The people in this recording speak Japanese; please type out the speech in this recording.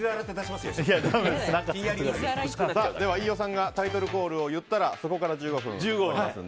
飯尾さんがタイトルコールを言ったらそこから１５分です。